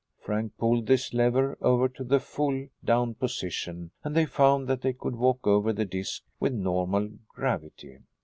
Frank pulled this lever over to the full "Down" position and they found that they could walk over the disc with normal gravity.